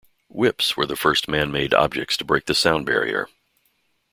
Whips were the first man-made objects to break the sound barrier.